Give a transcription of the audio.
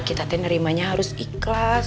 kita tuh nerimanya harus ikhlas